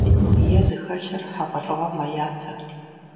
Е зыхэлъыр хьэгъуэлӀыгъуэм мэятэ.